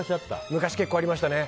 昔、結構ありましたね。